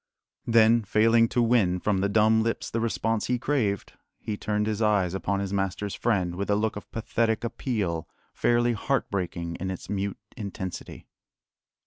Then, failing to win from the dumb lips the response he craved, he turned his eyes upon his master's friend with a look of pathetic appeal fairly heartbreaking in its mute intensity.